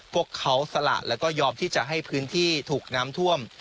พวกเขาสละแล้วก็ยอมที่จะให้พื้นที่ถูกน้ำท่วม